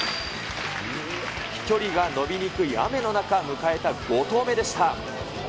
飛距離が伸びにくい雨の中、迎えた５投目でした。